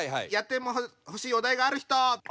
やってほしいお題がある人？